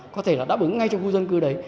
có thể là đã bứng ngay trong khu dân cư đấy